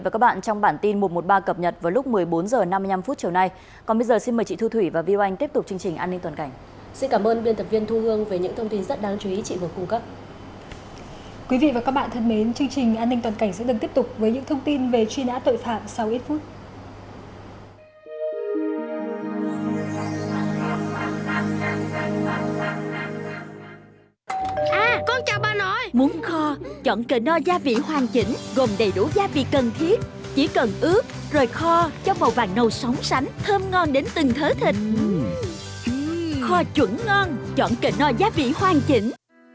còn bây giờ xin mời chị thu thủy và viu anh tiếp tục chương trình an ninh toàn cảnh